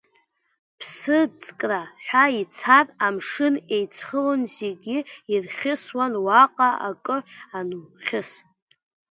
Ԥсыӡкра ҳәа ицар, амшын еицхылон, зегьы ирхьысуан уаҟа акы анухьыс.